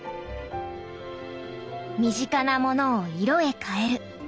身近なものを色へ変える。